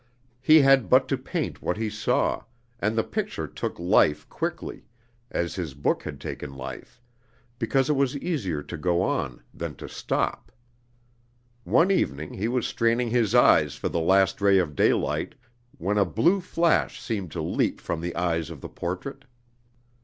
He had but to paint what he saw, and the picture took life quickly, as his book had taken life, because it was easier to go on than to stop. One evening, he was straining his eyes for the last ray of daylight, when a blue flash seemed to leap from the eyes of the portrait.